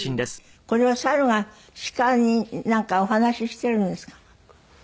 これは猿が鹿になんかお話ししているんですか？